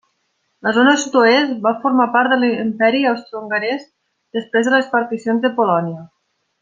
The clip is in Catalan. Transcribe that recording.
La zona sud-oest va formar part de l'Imperi Austrohongarès després de les particions de Polònia.